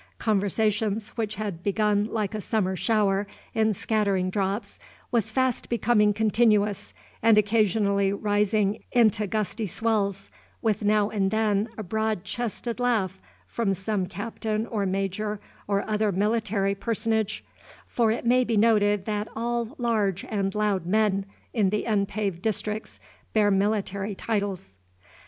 Conversation, which had begun like a summer shower, in scattering drops, was fast becoming continuous, and occasionally rising into gusty swells, with now and then a broad chested laugh from some Captain or Major or other military personage, for it may be noted that all large and loud men in the unpaved districts bear military titles.